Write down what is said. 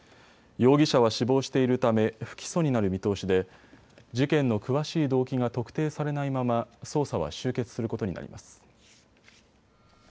容疑者は死亡しているため不起訴になる見通しで事件の詳しい動機が特定されないまま捜査は終結することになります。